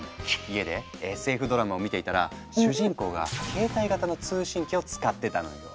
家でＳＦドラマを見ていたら主人公が携帯型の通信機を使ってたのよ。